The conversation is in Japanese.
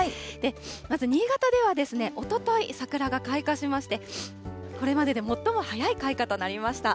まず新潟では、おととい桜が開花しまして、これまでで最も早い開花となりました。